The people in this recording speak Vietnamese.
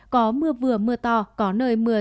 có mưa vừa mưa to có nơi mưa